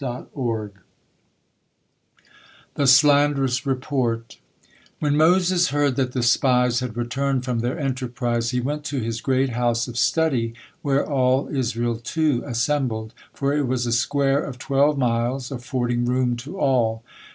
THE SLANDEROUS REPORT When Moses heard that the spies had returned from their enterprise, he went to his great house of study, where all Israel too assembled, for it was a square of twelve miles, affording room to all.